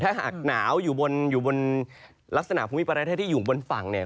ถ้าหากหนาวอยู่บนอยู่บนลักษณะภูมิประเทศที่อยู่บนฝั่งเนี่ย